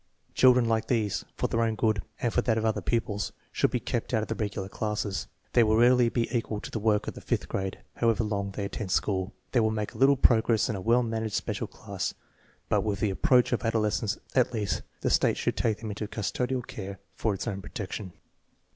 Children like these, for their own good and that of other pupils, should be kept out of the regular classes. They will rarely be equal to the work of the fifth grade, however long they attend school. They will make a little progress in a well managed special class, but with the approach of adoles cence, at latest, the State should take them into custodial care for its own protection.